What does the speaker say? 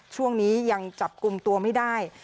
ช่วงนี้ยังจับกลุ่มตัวไม่ได้